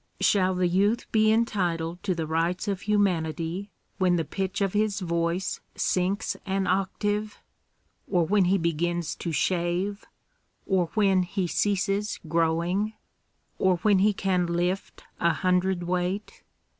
Shall the youth be entitled to the rights of humanity when the pitch of his voice sinks an octave ? or when he begins to shave ? or when he ceases growing? or when he can lift a hundred weight?